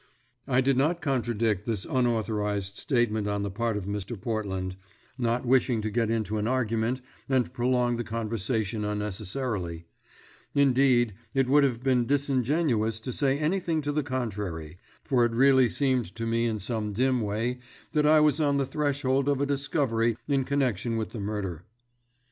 I did not contradict this unauthorised statement on the part of Mr. Portland, not wishing to get into an argument and prolong the conversation unnecessarily; indeed, it would have been disingenuous to say anything to the contrary, for it really seemed to me in some dim way that I was on the threshold of a discovery in connection with the murder.